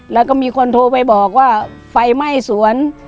แล้วก็มีคนโทรไปบอกว่าไฟไหม้สวน